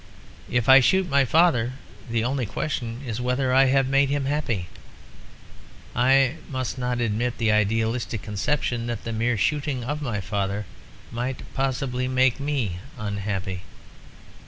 If I shoot my father the only question is whether I have made him happy. I must not admit the idealistic conception that the mere shooting of my father might possibly make me unhappy.